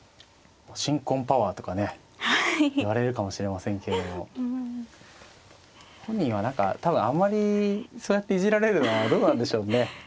新婚パワーとかねいわれるかもしれませんけども本人は何か多分あんまりそうやっていじられるのはどうなんでしょうね。